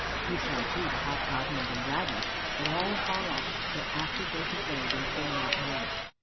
He saw, too, the hobgoblins and dragons, but all afar off, for after break of day they came not nigh.